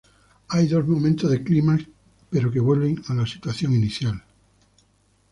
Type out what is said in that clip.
Hay dos momentos de clímax pero que vuelven a la situación inicial.